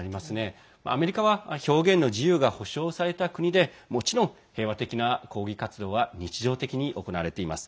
アメリカは表現の自由が保障された国でもちろん平和的な抗議活動は日常的に行われています。